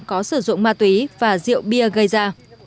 có sử dụng ma túy và rượu bia gây ra